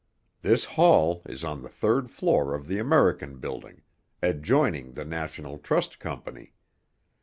This hall is on the third floor of the American Building, adjoining the National Trust Company.